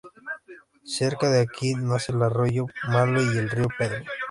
Cerca de aquí nace el Arroyo Malo y el río Pedro.